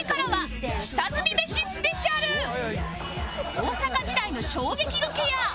大阪時代の衝撃ロケや